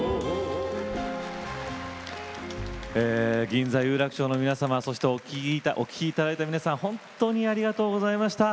銀座・有楽町の皆様そしてお聴き頂いた皆さん本当にありがとうございました。